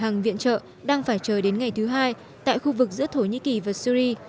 hàng viện trợ đang phải chờ đến ngày thứ hai tại khu vực giữa thổ nhĩ kỳ và syri